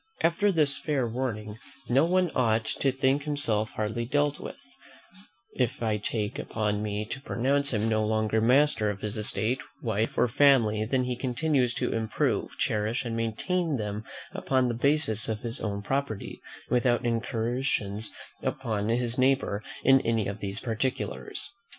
After this fair warning, no one ought to think himself hardly dealt with, if I take upon me to pronounce him no longer master of his estate, wife, or family, than he continues to improve, cherish, and maintain them upon the basis of his own property, without incursions upon his neighbour in any of these particulars.